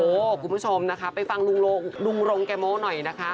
คุณผู้ชมนะคะไปฟังลุงรงแก่โม้หน่อยนะคะ